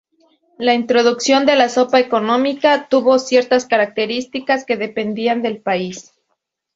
La introducción de la sopa económica tuvo ciertas características, que dependían del país.